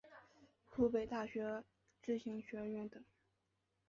湖北大学知行学院等